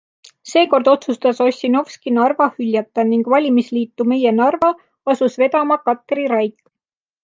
Seekord otsustas Ossinovski Narva hüljata, ning valimisliitu Meie Narva asus vedama Katri Raik.